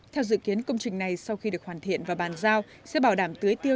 theo dự kiến công trình này sau khi được hoàn thiện và bàn giao sẽ bảo đảm tưới tiêu